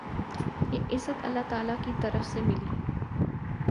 یہ عزت اللہ تعالی کی طرف سے ملی۔